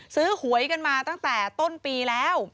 หวยกันมาตั้งแต่ต้นปีแล้ว